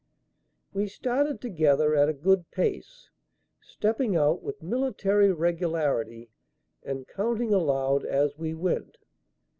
We started together at a good pace, stepping out with military regularity and counting aloud as we went.